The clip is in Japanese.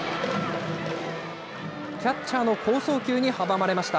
キャッチャーの好送球に阻まれました。